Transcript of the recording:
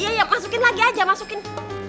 iya ya masukin lagi aja masukin